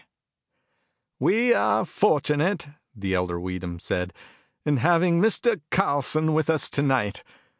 "We are fortunate," the elder Weedham said, "in having Mr. Carlson with us tonight.